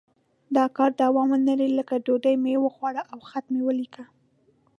د کار دوام ونه لري لکه ډوډۍ مې وخوړه او خط مې ولیکه.